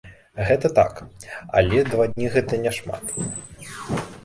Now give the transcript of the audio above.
Гэта так, але два дні гэта не шмат.